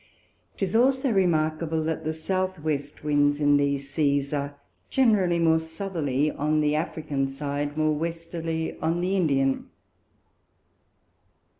'Tis also remarkable, that the S. W. Winds in these Seas are generally more Southerly on the African side, more Westerly on the Indian. 4.